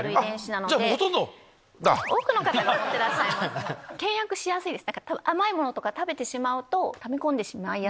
多くの方が持ってらっしゃいます倹約しやすいです。